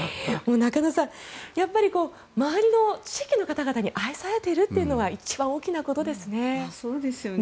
中野さん、周りの地域の方々に愛されているというのが一番大きなことですね。